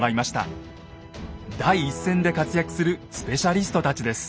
第一線で活躍するスペシャリストたちです。